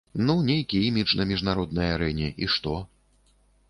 Ну, нейкі імідж на міжнароднай арэне, і што?